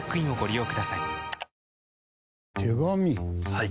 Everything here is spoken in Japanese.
はい。